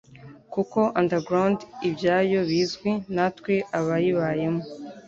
Kuko underground ibyayo bizwi natwe abayibayemo